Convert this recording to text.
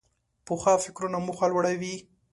پخو فکرونو موخه لوړه وي